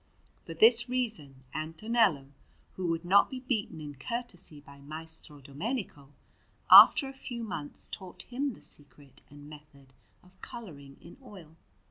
For this reason Antonello, who would not be beaten in courtesy by Maestro Domenico, after a few months taught him the secret and method of colouring in oil.